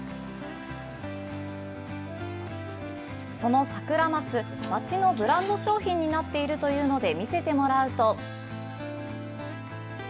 そのサクラマス、町のブランド商品になっているというので、見せてもらうと。